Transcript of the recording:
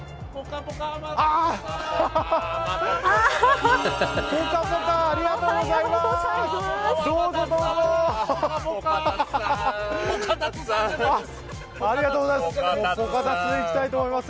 ぽかぽかありがとうございます。